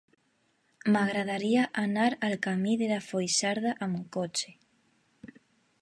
M'agradaria anar al camí de la Foixarda amb cotxe.